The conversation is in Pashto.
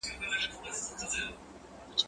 زه به اوږده موده لاس مينځلي وم.